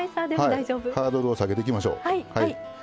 ハードルを下げていきましょう。